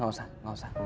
gak usah gak usah